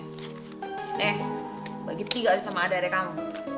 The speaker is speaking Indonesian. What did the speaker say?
nih bagi tiga sama adik adik kamu